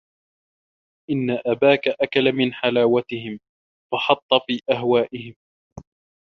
إنَّ أَبَاك أَكَلَ مِنْ حَلَاوَتِهِمْ ، فَحَطَّ فِي أَهْوَائِهِمْ